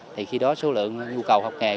thì khi đó số lượng nhu cầu học nghề